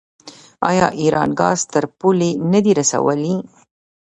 آیا ایران ګاز تر پولې نه دی رسولی؟